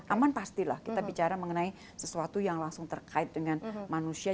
aman pastilah kita bicara mengenai sesuatu yang langsung terkait dengan manusia